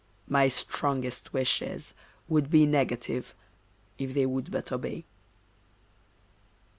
My strongest wishes would be negative, If they would but obey.